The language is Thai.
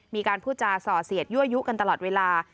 มีการพูดจาส่อเสียดยั่วยุกันตลอดเวลา